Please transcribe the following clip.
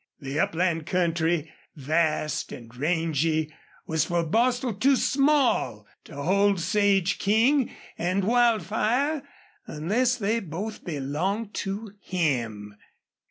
The upland country, vast and rangy, was for Bostil too small to hold Sage King and Wildfire unless they both belonged to him.